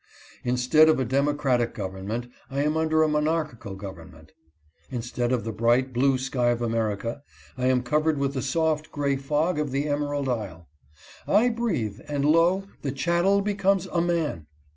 Instead of a democratic government, I am under a monarchial government. Instead of the bright, blue sky of America, I am covered with the soft, gray fog of the Emerald Isle. I breathe, and lo ! the chattel becomes a man